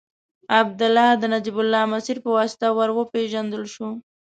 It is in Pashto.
عبدالله د نجیب الله مسیر په واسطه ور وپېژندل شو.